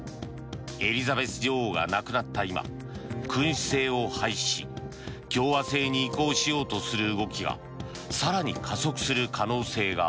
エリザベス女王が亡くなった今君主制を廃止し共和制に移行しようとする動きが更に加速する可能性が